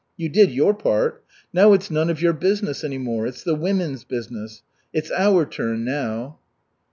"You did your part. Now it's none of your business any more, it's the women's business. It's our turn now."